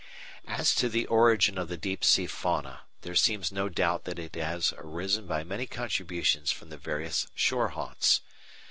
As to the origin of the deep sea fauna, there seems no doubt that it has arisen by many contributions from the various shore haunts.